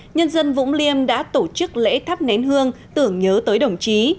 nhân dân vũng liêm đã tổ chức lễ thắp nén hương tưởng nhớ tới đồng chí